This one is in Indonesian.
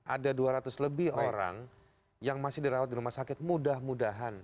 ada dua ratus lebih orang yang masih dirawat di rumah sakit mudah mudahan